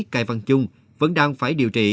cài văn trung vẫn đang phải điều trị